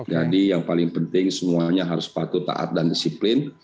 jadi yang paling penting semuanya harus patuh taat dan disiplin